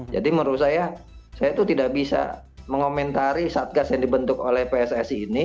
jadi menurut saya saya tuh tidak bisa mengomentari satgas yang dibentuk oleh pssi ini